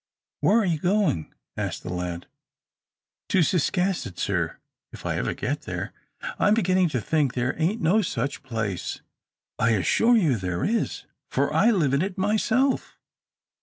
"Where are you going?" asked the lad. "To Ciscasset, sir, if I ever get there. I'm beginnin' to think there ain't no such place." "I assure you there is, for I live in it myself."